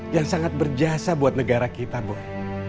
yang sangat berjasa buat negara kita bur